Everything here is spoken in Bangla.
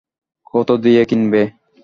কত দিয়ে কিনবে?